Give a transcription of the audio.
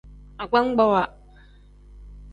Agbagbawa.